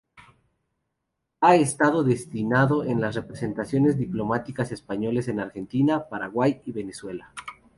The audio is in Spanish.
Ha estado destinado en las representaciones diplomáticas españolas en Argentina, Paraguay y Venezuela.